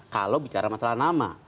kalau bicara masalah nama